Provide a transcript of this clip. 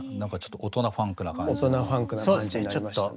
大人ファンクな感じになりましたね。